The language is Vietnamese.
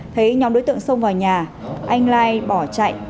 thấy nhóm đối tượng xông vào nhà anh lai bỏ chạy